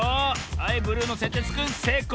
はいブルーのせんてつくんせいこう！